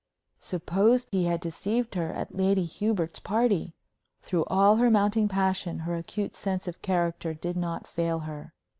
Suppose he had deceived her at Lady Hubert's party! Through all her mounting passion her acute sense of character did not fail her.